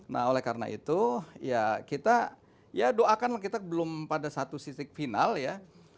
nah oleh karena itu ya kita ya doakan kita belum pada satu sisi final ya